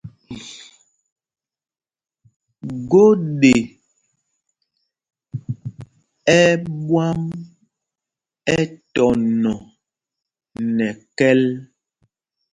Gode ɛ̂ ɓwǎm ɛtɔnɔ nɛ kɛ́l.